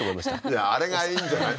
いやあれがいいんじゃない？